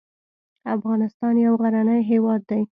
افغانستان يو غرنی هېواد دی.